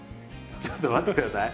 ちょっと待って下さい。